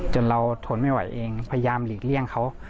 จนเราทนไม่ไหวเองพยายามหลีกเลี่ยงเขา